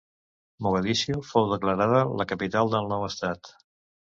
Mogadiscio fou declarada la capital del nou estat.